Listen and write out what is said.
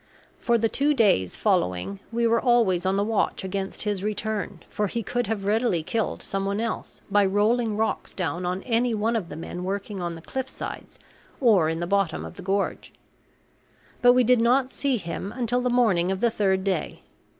For the two days following we were always on the watch against his return, for he could have readily killed some one else by rolling rocks down on any of the men working on the cliff sides or in the bottom of the gorge. But we did not see him until the morning of the third day.